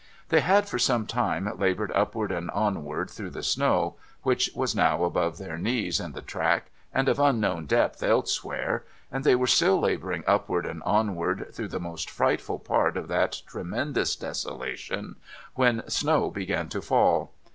They had for some time laboured upward and onward through the snow — which was now above their knees in the track, and of unknown depth elsewhere — and they were still labouring upward and onward through the most frightful part of that tremendous desolation, when snow began to fall.